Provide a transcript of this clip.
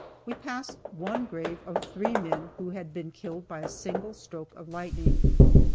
We passed one grave of three men who had been killed by a single stroke of lightning.